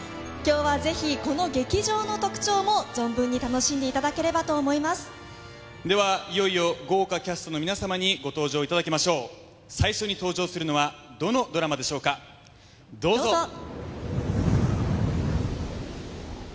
今日はぜひこの劇場の特徴も存分に楽しんでいただければと思いますではいよいよ豪華キャストの皆さまにご登場いただきましょう最初に登場するのはどのドラマでしょうかどうぞ！